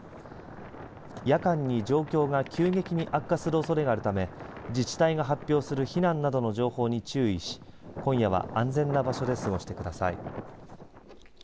夜間に状況が急激に悪化するおそれがあるため自治体が発表する避難などの情報に注意し今夜は安全な場所で過ごしてください。